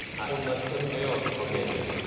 こんな人に迷惑かけんでも。